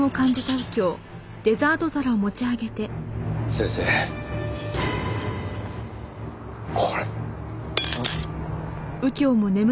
先生これ。